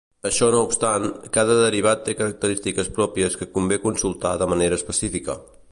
Això no obstant, cada derivat té característiques pròpies que convé consultar de manera específica.